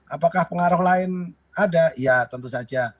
apakah pengaruh lain ada ya tentu saja